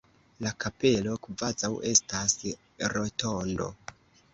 La kapelo kvazaŭ estas rotondo.